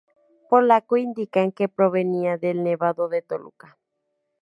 Polaco indican que provenía del Nevado de Toluca.